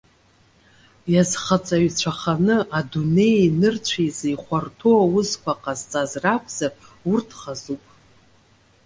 Иазхаҵаҩцәаханы адунеии нарцәи рзы ихәарҭоу аусқәа ҟазҵаз ракәзар, урҭ хазуп.